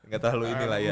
gak terlalu ini lah ya